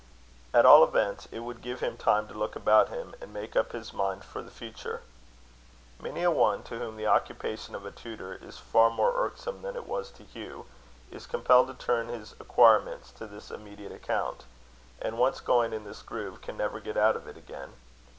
At all events, it would give him time to look about him, and make up his mind for the future. Many a one, to whom the occupation of a tutor is far more irksome than it was to Hugh, is compelled to turn his acquirements to this immediate account; and, once going in this groove, can never get out of it again.